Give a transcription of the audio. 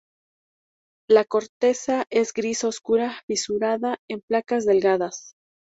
La corteza es gris oscura, fisurada en placas delgadas.